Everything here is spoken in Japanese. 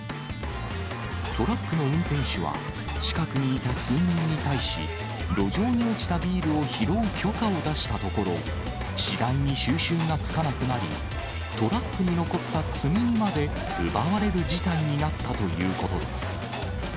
トラックの運転手は近くにいた数人に対し、路上に落ちたビールを拾う許可を出したところ、次第に収拾がつかなくなり、トラックに残った積み荷まで奪われる事態になったということです。